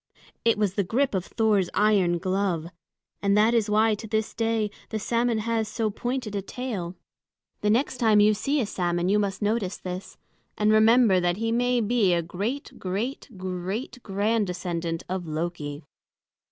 It was the grip of Thor's iron glove; and that is why to this day the salmon has so pointed a tail. The next time you see a salmon you must notice this, and remember that he may be a great great great grand descendant of Loki.